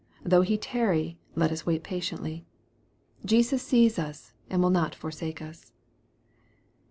Though He tarry, let us wait patiently. Jesus sees us, and will not forsake us.